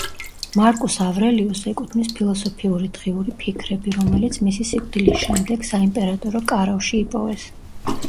მარკუს ავრელიუსს ეკუთვნის ფილოსოფიური დღიური „ფიქრები“, რომელიც მისი სიკვდილის შემდეგ, საიმპერატორო კარავში იპოვეს.